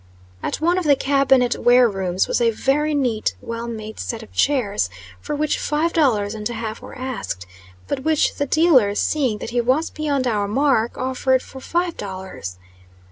At one of the cabinet ware rooms was a very neat, well made set of chairs, for which five dollars and a half were asked, but which the dealer, seeing that he was beyond our mark, offered for five dollars.